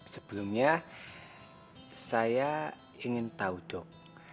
sebelumnya saya ingin tahu dok